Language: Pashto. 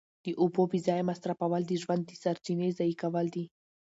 د اوبو بې ځایه مصرفول د ژوند د سرچینې ضایع کول دي.